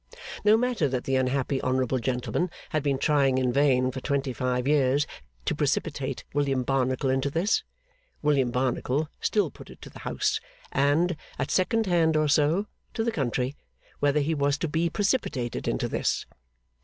No matter that the unhappy honourable gentleman had been trying in vain, for twenty five years, to precipitate William Barnacle into this William Barnacle still put it to the House, and (at second hand or so) to the country, whether he was to be precipitated into this.